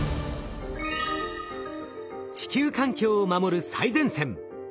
地球環境を守る最前線。